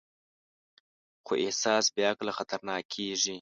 خو احساس بېعقله خطرناک کېږي.